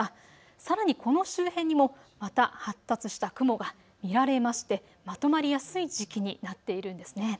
さらにこの周辺にもまた発達した雲が見られましてまとまりやすい時期になっているんですね。